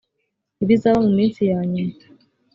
ibizaba mu minsi ya nyuma